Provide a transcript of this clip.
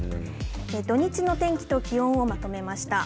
土日の天気と気温をまとめました。